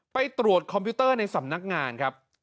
ไปตรวจคอมพิวเตอร์ในสำนักงานครับ